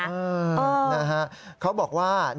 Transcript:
เออนะฮะเขาบอกว่า